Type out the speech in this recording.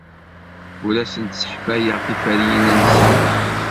Ur asent-sseḥfayeɣ tiferyin-nsent.